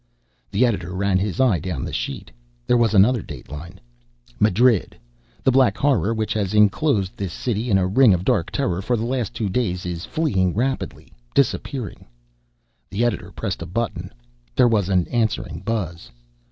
The editor ran his eye down the sheet. There was another dateline: "Madrid The Black Horror, which has enclosed this city in a ring of dark terror for the last two days, is fleeing, rapidly disappearing...." The editor pressed a button. There was an answering buzz.